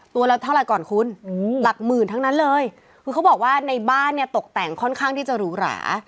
ตัวละเท่าไหร่ก่อนคุณหลักหมื่นทั้งนั้นเลยคือเขาบอกว่าในบ้านเนี่ยตกแต่งค่อนข้างที่จะหรูหรา